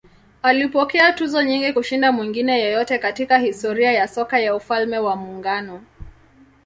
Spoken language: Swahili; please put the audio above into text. Alipokea tuzo nyingi kushinda mwingine yeyote katika historia ya soka ya Ufalme wa Muungano.